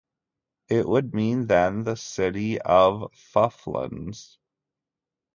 It would mean, then, the city of Fufluns.